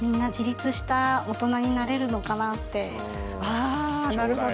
あなるほど。